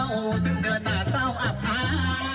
จึงเงินมาเต้าอาภาย